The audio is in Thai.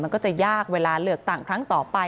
มันก็จะยากเวลาเลือกตั้งครั้งต่อไป